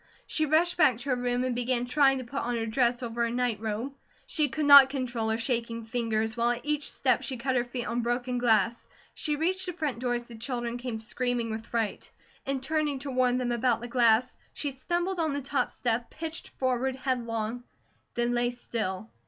She rushed back to her room and began trying to put on her dress over her nightrobe. She could not control her shaking fingers, while at each step she cut her feet on broken glass. She reached the front door as the children came screaming with fright. In turning to warn them about the glass, she stumbled on the top step, pitched forward headlong, then lay still.